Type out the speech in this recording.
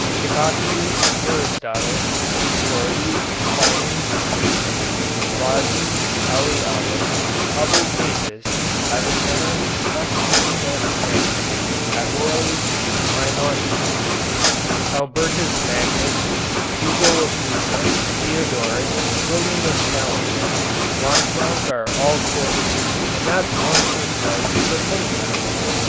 Hippocrates, Aristotle, Dioscorides, Pliny, Galen, Rhazes, Ali Abbas, Abulcasis, Avicenna, Constantine Africanus, Averroës, Maimonides, Albertus Magnus, Hugo of Lucca, Theodoric, William of Salicet, Lanfranc are all quoted, and not once or twice but many times.